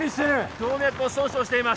動脈を損傷しています